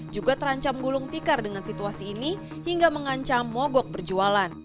juga terancam gulung tikar dengan situasi ini hingga mengancam mogok berjualan